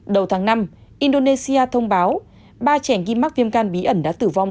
đầu tháng năm indonesia thông báo ba trẻ ghi mắc viêm gan bí ẩn đã tử vong